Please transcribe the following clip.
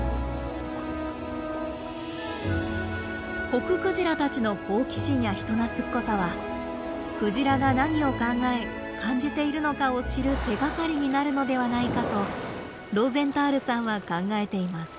コククジラたちの好奇心や人懐っこさはクジラが何を考え感じているのかを知る手がかりになるのではないかとローゼンタールさんは考えています。